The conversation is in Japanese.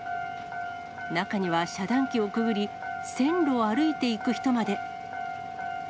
中には遮断機をくぐり、線路を歩いていく人まで。